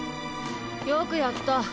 よくやった。